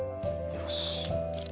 よし。